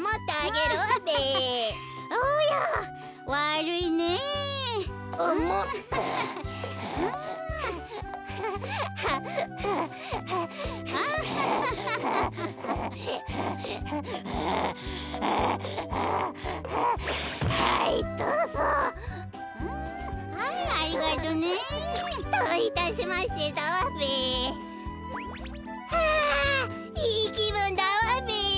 あいいきぶんだわべ！